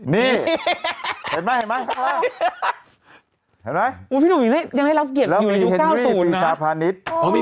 นี่เห็นไหมเห็นไหมพี่หนุ่มยังได้รับเกียรติอยู่ในยุค๙๐นะ